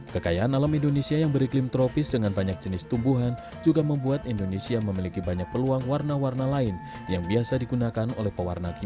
kekayaan alam indonesia yang beriklim tropis dengan banyak jenis tumbuhan juga membuat indonesia memiliki banyak peluang warna warna lain yang biasa digunakan oleh pewarna kimia